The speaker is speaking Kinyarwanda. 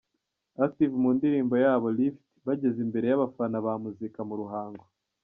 Active mu ndirimbo yabo ’Lift’ bageze imbere y’abafana ba muzika mu Ruhango.